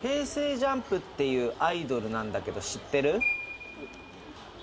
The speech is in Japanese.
ＪＵＭＰっていうアイドルなんだけど知ってる？